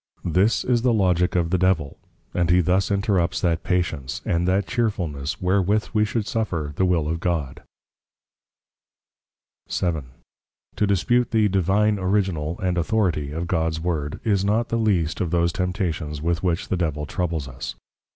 _ This is the Logic of the Devil; and he thus interrupts that patience, and that Chearfulness wherewith we should suffer the will of God. VII. To dispute the Divine Original and Authority of Gods Word, is not the least of those Temptations with which the Devil troubles us.